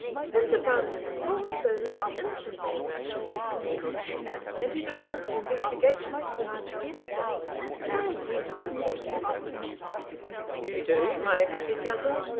"Mr. Francis Osbaldistone is an innocent man, Rashleigh," said Miss Vernon, "and he demands an investigation of the charge against him, and I intend to support him in it." "You do, my pretty cousin?